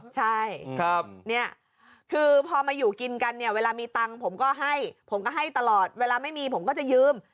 ใช่เนี่ยคือพอมาอยู่กินกันเนี่ยเวลามีตังค์ผมก็ให้ผมก็ให้ตลอดเวลาไม่มีผมก็จะยืม